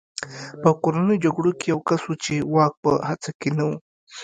په کورنیو جګړو کې یو کس و چې واک په هڅه کې نه و